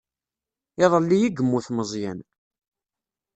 Iḍelli i yemmut Meẓyan.